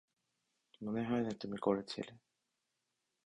মনে হয় না তুমি করেছিলে।